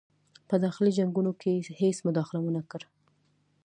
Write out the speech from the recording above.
په داخلي جنګونو کې یې هیڅ مداخله ونه کړه.